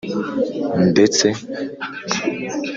ndetse